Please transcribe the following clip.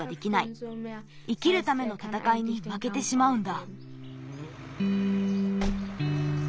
生きるためのたたかいにまけてしまうんだ。